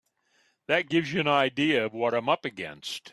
That gives you an idea of what I'm up against.